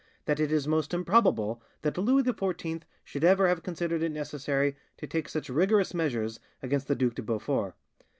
that it is most improbable that Louis XIV should ever have considered it necessary to take such rigorous measures against the Duc de Beaufort.